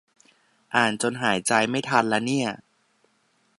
อ่านจนหายใจไม่ทันละเนี่ย